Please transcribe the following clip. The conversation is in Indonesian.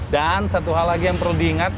dan satu hal lagi yang perlu diingat